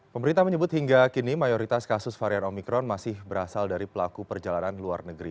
pemerintah menyebut hingga kini mayoritas kasus varian omikron masih berasal dari pelaku perjalanan luar negeri